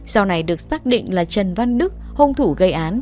sau này được xác định là trần văn đức hung thủ gây án